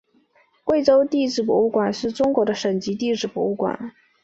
贵州地质博物馆是中国的省级地质博物馆。